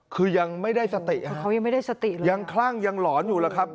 คือยังไม่ได้สติยังคลั่งยังหลอนอยู่แล้วครับ